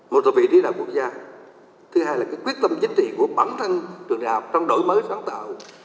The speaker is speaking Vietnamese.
một là vị trí đạo quốc gia thứ hai là quyết tâm chính trị của bản thân trường đại học trong đổi mới sáng tạo